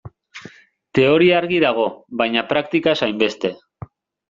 Teoria argi dago, baina praktika ez hainbeste.